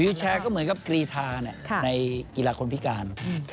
แชร์ก็เหมือนกับกรีธาในกีฬาคนพิการ